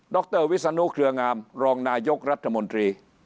รวิศนุเครืองามรองนายกรัฐมนตรี